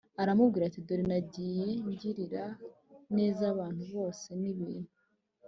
aramubwira ati Dore nagiye ngirira neza abantu bose n ibintu